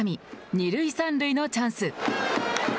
二塁三塁のチャンス。